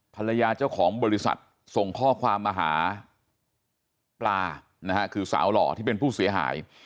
ภรรยาเจ้าของบริษัทส่งข้อความมาหาปลานะฮะคือสาวหล่อที่เป็นผู้เสียหาย